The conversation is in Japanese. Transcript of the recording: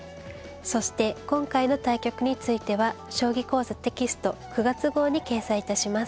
そして今回の対局については「将棋講座」テキスト９月号に掲載致します。